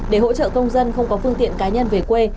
để hỗ trợ công dân không có phương tiện cá nhân về quê